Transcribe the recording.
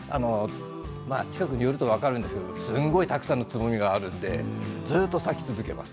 近くに寄ると分かるんですけれどもすごくたくさんのつぼみがあるので、ずっと咲き続けます。